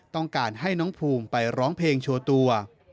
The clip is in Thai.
ต้องการให้น้องภูมิไปร้องเพลงโชว์ตัว